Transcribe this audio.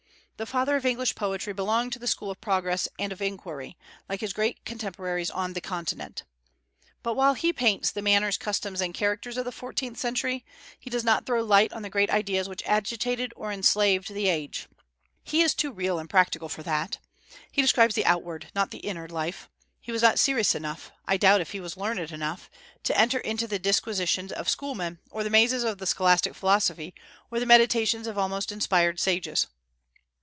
The father of English poetry belonged to the school of progress and of inquiry, like his great contemporaries on the Continent. But while he paints the manners, customs, and characters of the fourteenth century, he does not throw light on the great ideas which agitated or enslaved the age. He is too real and practical for that. He describes the outward, not the inner life. He was not serious enough I doubt if he was learned enough to enter into the disquisitions of schoolmen, or the mazes of the scholastic philosophy, or the meditations of almost inspired sages.